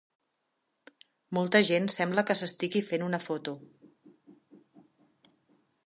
Molta gent sembla que s'estigui fent una foto.